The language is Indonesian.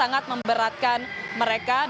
dan ini adalah hal yang sangat penting